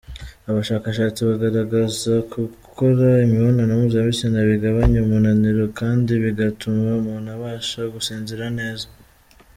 Abashakashatsi bagaragaza ko gukora imibonano mpuzabitsina bigabanya umunaniro kandi bigatuma umuntu abasha gusinzira neza.